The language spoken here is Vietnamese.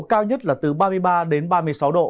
cao nhất là từ ba mươi ba đến ba mươi sáu độ